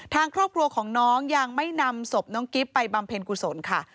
ทางครอบครัวของน้องยังไม่นำศพน้องกิ๊บไปบำเพ็ญกุศลค่ะ